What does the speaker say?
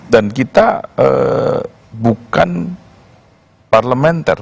kita bukan parlementer